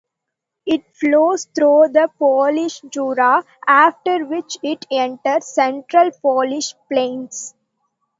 It flows through the Polish Jura, after which it enters Central Polish Plains.